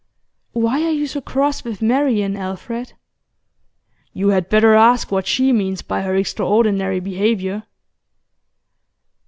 'Why are you cross with Marian, Alfred?' 'You had better ask what she means by her extraordinary behaviour.